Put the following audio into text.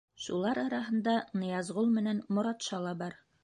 Шулар араһында Ныязғол менән Моратша ла бар.